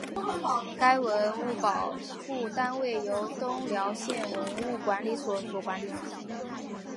该文物保护单位由东辽县文物管理所管理。